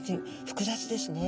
複雑ですね。